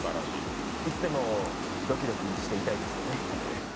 いつでもドキドキしていたいですよね。